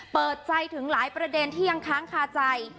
เปิดใจถึงหลายประเด็นที่ยังค้างคาใจ